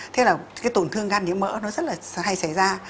thế là cái tổn thương gan nhiễm mỡ nó rất là hay xảy ra